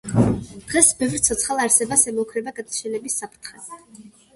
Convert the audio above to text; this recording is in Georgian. დღეს ბევრ ცოცხალ არსებას ემუქრება გადაშენების საფრთხე.